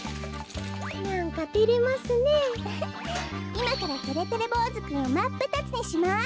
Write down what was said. いまからてれてれぼうずくんをまっぷたつにします。